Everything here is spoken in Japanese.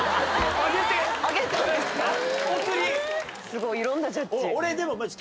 すごいいろんなジャッジ。